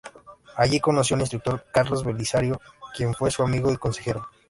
Allí conoció al instructor Carlos Belisario, quien fue su amigo y consejero.